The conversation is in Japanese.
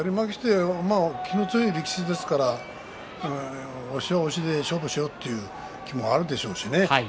気の強い力士ですから押しは押しで勝負つけようという気もあるでしょうしね。